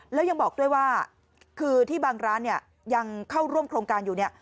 แล้วยังบอกด้วยว่าคือที่บางร้านเนี่ยยังเข้าร่วมโครงการอยู่เนี่ย